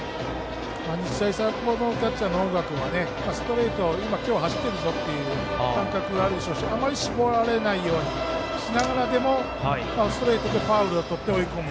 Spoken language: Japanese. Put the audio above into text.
日大三高のキャッチャーの大賀君はストレートは今、走っているぞという感覚があるでしょうしあまり絞られないようにしながらストレートでファウルをとって追い込む。